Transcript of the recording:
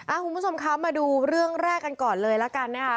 คุณผู้ชมคะมาดูเรื่องแรกกันก่อนเลยละกันนะคะ